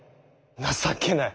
情けない！